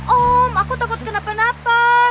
om aku takut kenapa natal